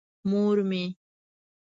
مور مې.